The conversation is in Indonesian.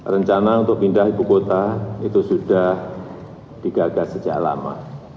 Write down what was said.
rencana untuk pindah ibu kota itu sudah digagas sejak lama